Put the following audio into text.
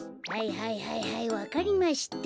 はいはいはいわかりました。